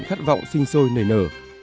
khát vọng sinh sôi nảy nở